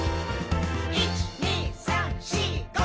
「１．２．３．４．５．」